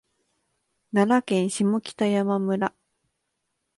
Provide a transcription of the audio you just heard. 奈良県下北山村